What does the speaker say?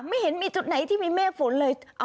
ไม่เห็นมีจุดไหนที่มีเมฆฝนเลย